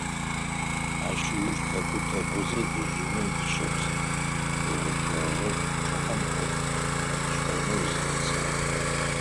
Ащ ыуж тӀэкӀу-тӀэкӀузэ тыжьыным, дышъэпс егъэшъогъэ гъучӀхэм Ӏоф адишӀэнэу зигъэсагъ.